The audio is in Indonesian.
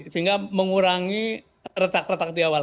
sehingga mengurangi retak retak di awal